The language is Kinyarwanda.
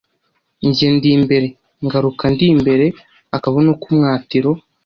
Ngiye ndi imbere ngaruka ndi imbere-Akabuno k'umwatiro.